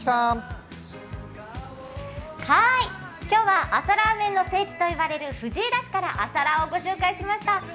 今日は朝ラーメンの聖地と言われる藤枝市から朝ラーを御紹介しました。